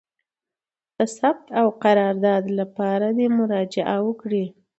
د ثبت او قرارداد لپاره دي مراجعه وکړي: